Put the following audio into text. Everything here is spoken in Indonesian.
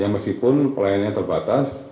meskipun pelayanan terbatas